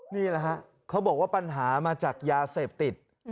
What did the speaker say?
นี่แหละฮะเขาบอกว่าปัญหามาจากยาเสพติด